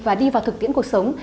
và đi vào thực tiễn cuộc sống